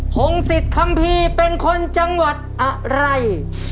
พงศิษย์คัมภีร์เป็นคนจังหวัดอะไร